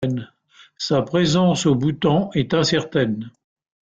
Sa présence au Bhoutan est incertaine.